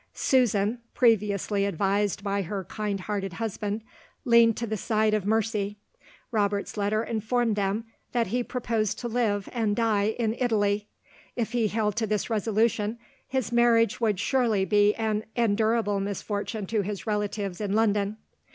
Susan (previously advised by her kind hearted husband) leaned to the side of mercy. Robert's letter informed them that he proposed to live, and die, in Italy. If he held to this resolution, his marriage would surely be an endurable misfortune to his relatives in London.